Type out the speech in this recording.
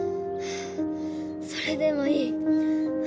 それでもいい。